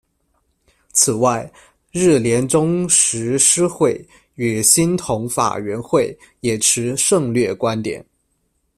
此外，日莲宗什师会与兴统法缘会也持“胜劣”观点。